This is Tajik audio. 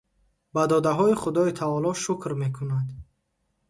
Ба додаҳои Худои таоло шукр мекунад.